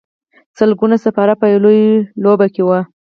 سلګونه سپاره په یوه لوبه کې وي.